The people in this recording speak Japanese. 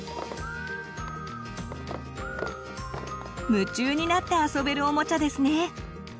夢中になって遊べるおもちゃですね。